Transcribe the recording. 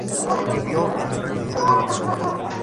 Vivió en el Reino Unido durante su juventud.